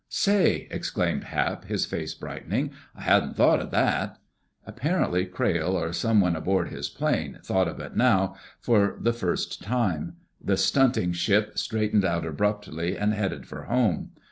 "Say!" exclaimed Hap, his face brightening. "I hadn't thought of that." Apparently Crayle, or someone aboard his plane, thought of it now for the first time. The stunting ship straightened out abruptly and headed for home.